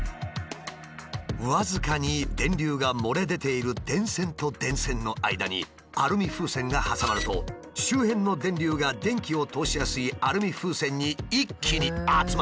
僅かに電流が漏れ出ている電線と電線の間にアルミ風船が挟まると周辺の電流が電気を通しやすいアルミ風船に一気に集まる。